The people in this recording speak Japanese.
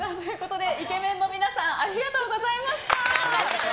イケメンの皆さんありがとうございました。